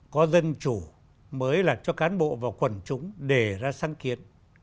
có dân chủ mới là cho cán bộ và quần chúng đề ra sáng kiến